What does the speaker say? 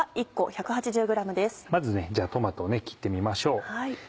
まずトマトを切ってみましょう。